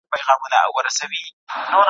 پارلمان نوی تړون نه لاسلیک کوي.